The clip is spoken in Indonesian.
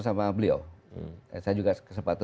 sama beliau saya juga kesempatan